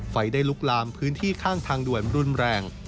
ไฟได้ลุกลามพื้นที่ข้างทางด่วนรุนแรง